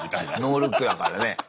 ノールックだからね。